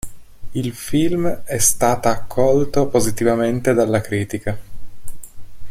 Il film è stata accolto positivamente dalla critica.